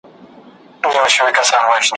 له هغه پیونده جوړ د ژوندون خوند کړي ,